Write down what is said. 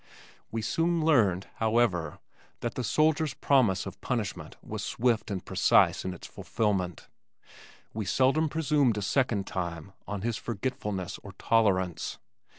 We soon learned, however, that the soldier's promise of punishment was swift and precise in its fulfillment. We seldom presumed a second time on his forgetfulness or tolerance.